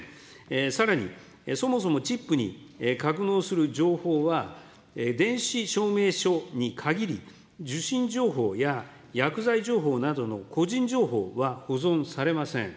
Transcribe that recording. さらに、そもそもチップに格納する情報は、電子証明書に限り、受診情報や薬剤情報などの個人情報は保存されません。